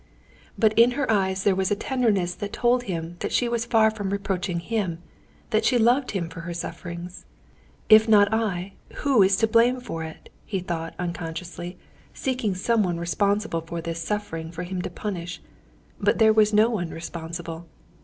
But in her eyes there was a tenderness that told him that she was far from reproaching him, that she loved him for her sufferings. "If not I, who is to blame for it?" he thought unconsciously, seeking someone responsible for this suffering for him to punish; but there was no one responsible.